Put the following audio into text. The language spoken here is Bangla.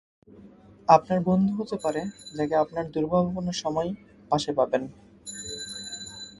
আপনার বন্ধু হতে পারে যাকে আপনার দূর্ভাবনার সময়ে পাশে পাবেন।